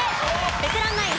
ベテランナイン